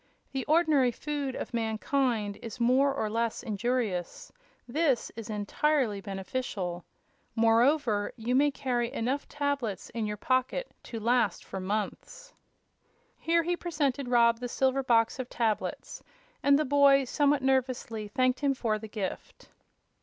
The ordinary food of mankind is more or less injurious; this is entirely beneficial. Moreover, you may carry enough tablets in your pocket to last for months." Here he presented Rob the silver box of tablets, and the boy, somewhat nervously, thanked him for the gift.